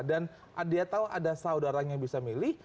dan dia tahu ada saudaranya yang bisa memilih